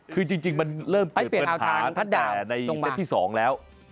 คือจริงมันเริ่มเปิดปัญหาทั้งแต่ในเซตที่๒แล้ว